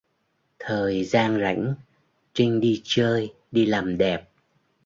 Thời gian rảnh Trinh đi chơi đi làm đẹp